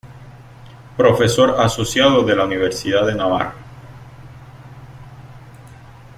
Profesor Asociado de la Universidad de Navarra.